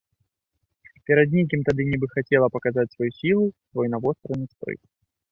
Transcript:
Перад некім тады нібы хацела паказаць сваю сілу, свой навостраны спрыт.